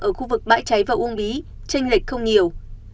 ở khu vực bãi cháy và uông bí tranh lệch không nhiều